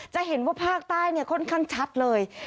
จะเห็นว่าภาคใต้ค่อนข้างชัดเลย